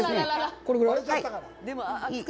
これぐらい？